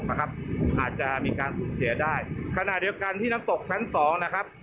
อาจจะมีการสูญเสียได้ขณะเดียวกันที่น้ำตกชั้นสองนะครับ